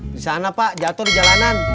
di sana pak jatuh di jalanan